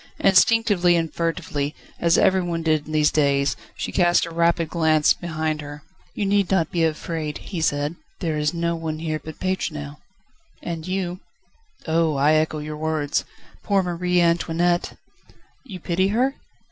Instinctively and furtively, as everyone did in these days, she cast a rapid glance behind her. "You need not be afraid," he said; "there is no one here but Pétronelle." "And you." "Oh! I echo your words. Poor Marie Antoinette!" "You pity her?"